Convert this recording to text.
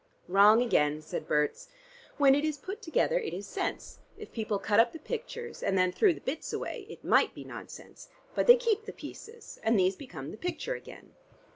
"Wrong again," said Berts. "When it is put together it is sense. If people cut up the pictures and then threw the bits away, it might be nonsense. But they keep the pieces and these become the picture again."